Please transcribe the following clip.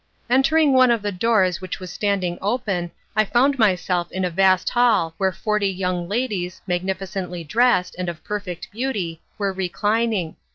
Entering one of the doors which was standing open I found myself in a vast hall where forty young ladies, magnificently dressed, and of perfect beauty, were reclining.